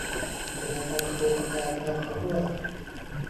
ประเทศไทยก็ปลูกกาแฟไปกับเขาด้วย